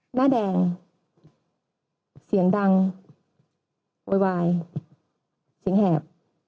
หน้าแดงเสียงดังโวยวายเสียงแหบ